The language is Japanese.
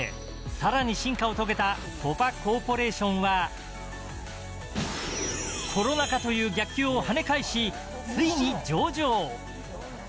さらに進化を遂げたコパ・コーポレーションはコロナ禍という逆境を跳ね返しついに上場。